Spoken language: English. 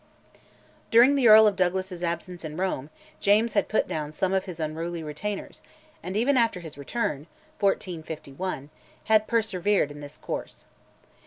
During the Earl of Douglas's absence in Rome, James had put down some of his unruly retainers, and even after his return (1451) had persevered in this course.